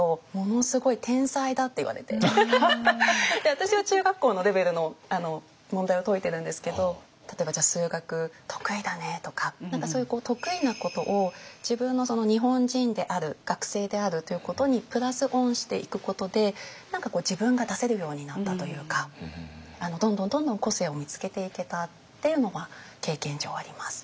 私は中学校のレベルの問題を解いてるんですけど例えばじゃあ数学得意だねとかそういう得意なことを自分の日本人である学生であるということにプラス・オンしていくことで何かこう自分が出せるようになったというかどんどんどんどん個性を見つけていけたっていうのは経験上あります。